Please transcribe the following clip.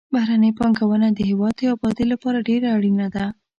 بهرنۍ پانګونه د هېواد د آبادۍ لپاره ډېره اړینه ده.